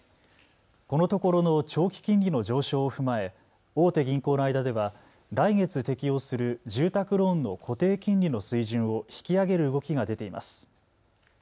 このところの長期金利の上昇を踏まえ、大手銀行の間では来月適用する住宅ローンの固定金利の水準を引き上げる動きが出ています。